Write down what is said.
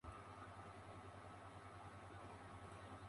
El ciclista llega a la cumbre de su arte.